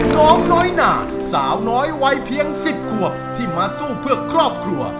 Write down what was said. น้องน้อยหนาสาวน้อยวัยเพียง๑๐ขวบที่มาสู้เพื่อครอบครัว